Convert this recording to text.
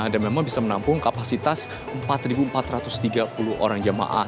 dan memang bisa menampung kapasitas empat empat ratus tiga puluh orang jamaah